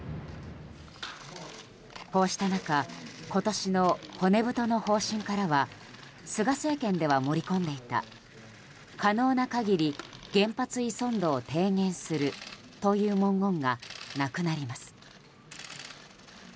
こうした中今年の骨太の方針からは菅政権では盛り込んでいた可能な限り原発依存度を提言するという文言がなくなります。